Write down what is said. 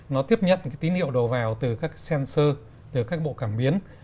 nó tiếp nhận tín hiệu đồ vào từ các sensor từ các bộ cảm biến